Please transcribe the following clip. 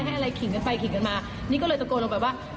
อะไรขิงกันไปขิงกันมานี่ก็เลยตะโกนลงไปว่า